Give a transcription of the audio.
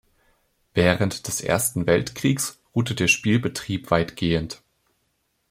Während des Ersten Weltkriegs ruhte der Spielbetrieb weitgehend.